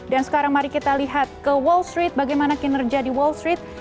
dan sekarang mari kita lihat ke wall street bagaimana kinerja di wall street